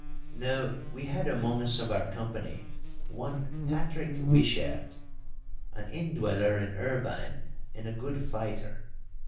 Now, we had among us of our company one Patrick Wishart, an indweller in Irvine and a good fighter.